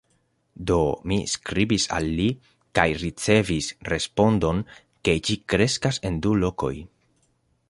Do, mi skribis al li kaj ricevis respondon, ke ĝi kreskas en du lokoj.